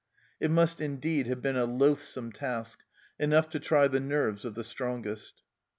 It must indeed have been a loathsome task, enough to try the nerves of the strongest.